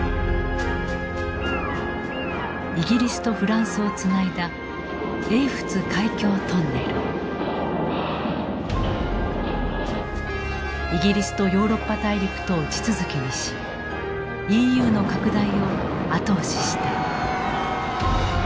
イギリスとフランスをつないだイギリスとヨーロッパ大陸とを地続きにしＥＵの拡大を後押しした。